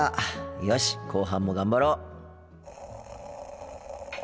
よし後半も頑張ろう。